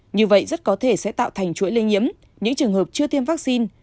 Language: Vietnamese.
như vậy rất có thể sẽ tạo thành chuỗi lây nhiễm những trường hợp chưa tiêm vaccine